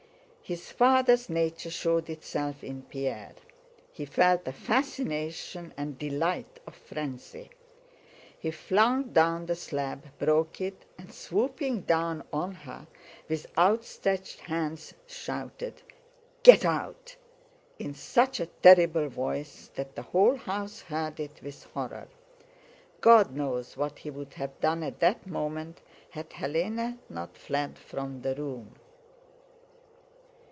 His father's nature showed itself in Pierre. He felt the fascination and delight of frenzy. He flung down the slab, broke it, and swooping down on her with outstretched hands shouted, "Get out!" in such a terrible voice that the whole house heard it with horror. God knows what he would have done at that moment had Hélène not fled from the room.